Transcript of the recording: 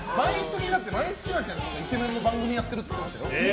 毎月、イケメンの番組をやってるって言ってました。